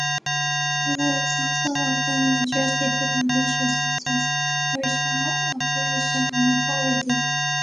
Rara lyrics also often address difficult issues, such as political oppression or poverty.